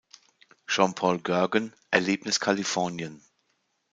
Jeanpaul Goergen: "Erlebnis Kalifornien.